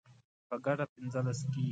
په ګډه پنځلس کیږي